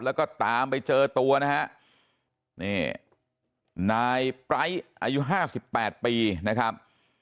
แล้วก็ตามไปเจอตัวนะครับนี่นายปรั๊ยอายุ๕๘ปีนะครับ